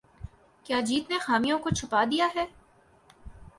کیا جیت نے خامیوں کو چھپا دیا ہے